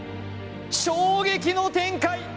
衝撃の展開